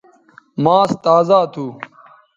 ماس تازا تھو